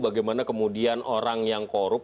bagaimana kemudian orang yang korup